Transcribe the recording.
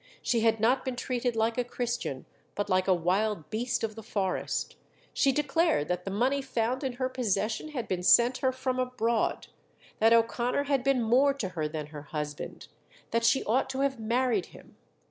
She had not been treated like a Christian, but like a wild beast of the forest. She declared that the money found in her possession had been sent her from abroad; that O'Connor had been more to her than her husband, that she ought to have married him.